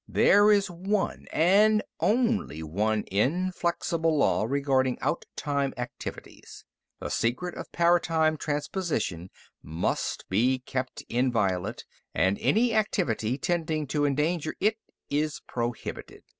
"There is one, and only one, inflexible law regarding outtime activities. The secret of paratime transposition must be kept inviolate, and any activity tending to endanger it is prohibited.